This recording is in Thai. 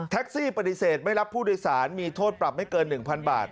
ซี่ปฏิเสธไม่รับผู้โดยสารมีโทษปรับไม่เกิน๑๐๐บาท